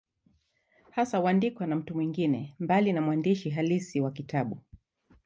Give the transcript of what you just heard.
Hasa huandikwa na mtu mwingine, mbali na mwandishi halisi wa kitabu.